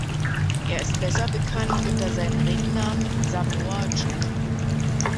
Er ist besser bekannt unter seinem Ringnamen Samoa Joe.